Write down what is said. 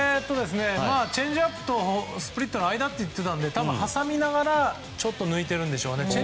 まあ、チェンジアップとスプリットの間と言っていたんで多分、挟みながらちょっと抜いてるんでしょうね。